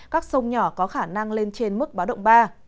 các sông nhỏ có khả năng lên trên mức báo động ba